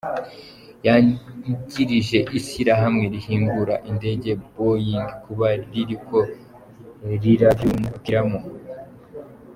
Yagirije ishirahamwe rihingura indege, Boeing, kuba ririko riravyungukiramwo.